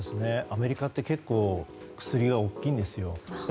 アメリカって結構薬が大きいんですよ。